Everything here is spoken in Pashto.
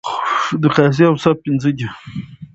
د قاضی اوصاف پنځه دي.